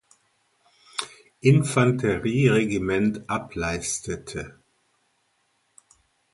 Infanterie-Regiment ableistete.